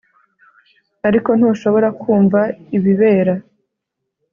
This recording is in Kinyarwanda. ariko ntushobora kumva ibibera